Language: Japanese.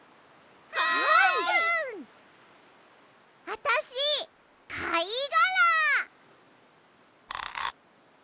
あたしかいがら！